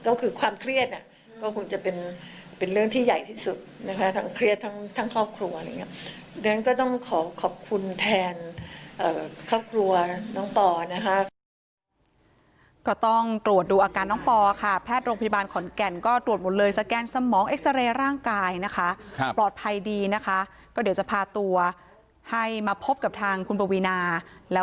ก็คือความเครียดก็คงจะเป็นเรื่องที่ใหญ่ที่สุดนะคะ